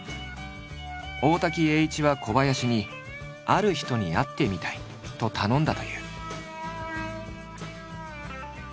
大滝詠一は小林に「ある人に会ってみたい」と頼んだという。